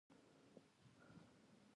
ساره د کور ټولې خبرې په چوپه خوله تېروي.